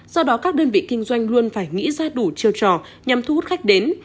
do đó các đơn vị kinh doanh luôn phải nghĩ ra đủ chiêu trò nhằm thu hút khách đến